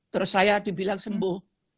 terus saya dibilang sembuh